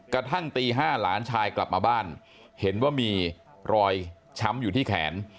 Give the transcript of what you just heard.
กระทั่งตี๕หลานชายกลับมาบ้านเห็นว่ามีรอยช้ำอยู่ที่แขน